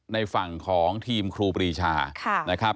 ในฝั่งของทีมครูปรีชานะครับ